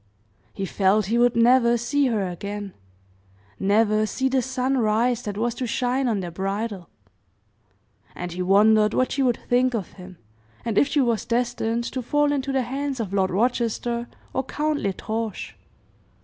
He felt he would never see her again never see the sun rise that was to shine on their bridal; and he wondered what she would think of him, and if she was destined to fall into the hands of Lord Rochester or Count L'Estrange.